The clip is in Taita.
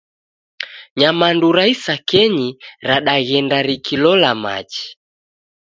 Nyamandu ra isakenyi radaghenda rikilola machi